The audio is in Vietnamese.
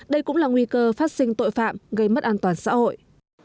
đây cũng là nguy cơ phát sinh tội phạm gây mất an toàn xã hội